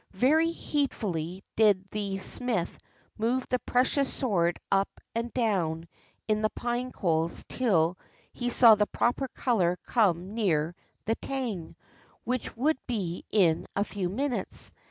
Very heedfully did the smith move the precious sword up and down in the pine coals till he saw the proper color come near the tang, which would be in a few minutes.